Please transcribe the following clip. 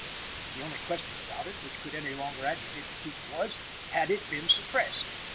The only question about it which could any longer agitate the people was, had it been suppressed?